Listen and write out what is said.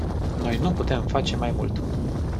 Noi nu putem face mai mult.